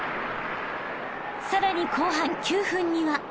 ［さらに後半９分には］